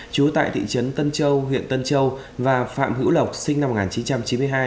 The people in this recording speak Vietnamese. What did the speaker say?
chú tại thị trấn tân châu huyện tân châu và phạm hữu lộc sinh năm một nghìn chín trăm chín mươi hai